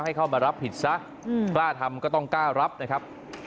ให้เข้ามารับผิดซะกล้าทำก็ต้องกล้ารับนะครับ